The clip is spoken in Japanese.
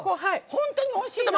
本当においしいの。